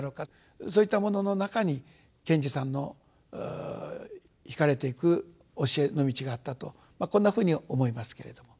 そういったものの中に賢治さんのひかれていく教えの道があったとこんなふうに思いますけれども。